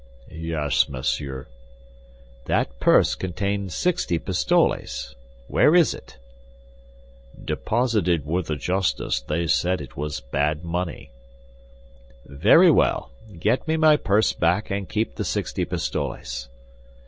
"Yes, monsieur." "That purse contained sixty pistoles; where is it?" "Deposited with the justice; they said it was bad money." "Very well; get me my purse back and keep the sixty pistoles."